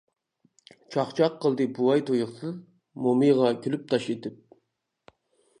چاقچاق قىلدى بوۋاي تۇيۇقسىز، مومىيىغا كۈلۈپ تاش ئېتىپ.